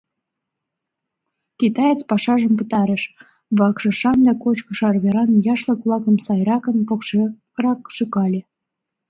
Китаец пашажым пытарыш, вакшышан да кочкыш арверан яшлык-влакым сайракын покшекырак шӱкале.